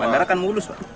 bandara kan mulus pak